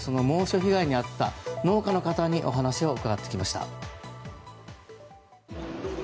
今回、猛暑被害に遭った農家の方にお話を伺ってきました。